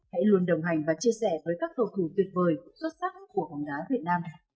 hãy luôn đồng hành và chia sẻ với các cầu thủ tuyệt vời xuất sắc của bóng đá việt nam